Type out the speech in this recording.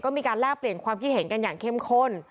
มีการแลกเปลี่ยนความคิดเห็นกันอย่างเข้มข้น